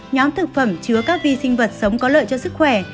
nhóm thực phẩm chứa các vi sinh vật sống có lợi cho sức khỏe